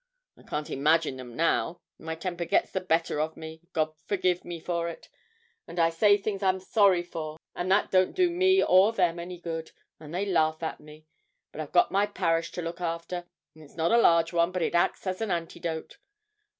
I can't manage 'em now, and my temper gets the better of me, God forgive me for it, and I say things I'm sorry for and that don't do me or them any good, and they laugh at me. But I've got my parish to look after; it's not a large one, but it acts as an antidote.